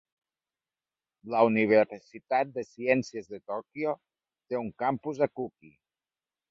La Universitat de Ciències de Tokyo té un campus a Kuki.